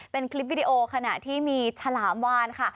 เป็นคลิปวิดีโอขณะที่มีฉลามวานค่ะ